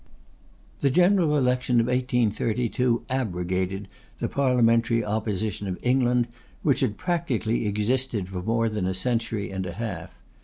The general election of 1832 abrogated the Parliamentary Opposition of England, which had practically existed for more than a century and a half.